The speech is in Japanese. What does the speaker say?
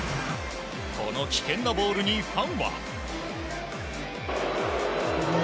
この危険なボールに、ファンは。